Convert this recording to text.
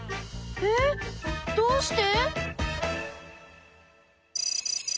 えっどうして？